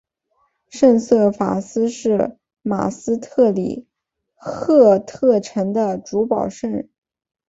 圣瑟法斯是马斯特里赫特城的主保圣人。